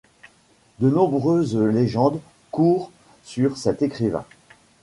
De nombreuses légendes courent sur cet écrivain.